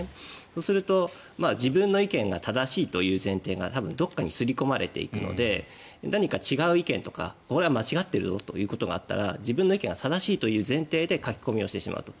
そうすると自分の意見が正しいという前提が多分どこかに刷り込まれていくので何か違う意見とかここは間違っているぞということがあったら自分の意見が正しいという前提で書き込みをしてしまうと。